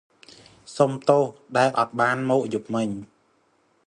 សុំទោសដែលអត់បានមកយប់មិញ។